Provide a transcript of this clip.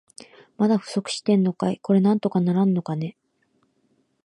まだ不足してんのかい。これなんとかならんのかね。